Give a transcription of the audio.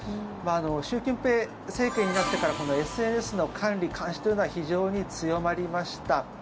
習近平政権になってからこのＳＮＳの管理・監視というのは非常に強まりました。